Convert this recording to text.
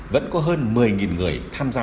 vẫn có hơn một mươi người tham gia